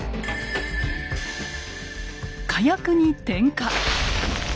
火薬に点火！